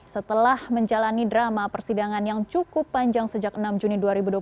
setelah menjalani drama persidangan yang cukup panjang sejak enam juni dua ribu dua puluh